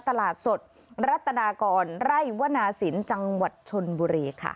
ตลาดสดรัตนากรไร่วนาศิลป์จังหวัดชนบุรีค่ะ